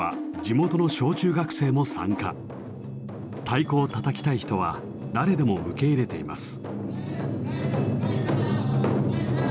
太鼓をたたきたい人は誰でも受け入れています。